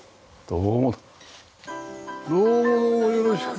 どうも。